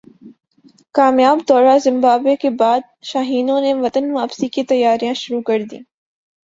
کامیاب دورہ زمبابوے کے بعد شاہینوں نے وطن واپسی کی تیاریاں شروع کردیں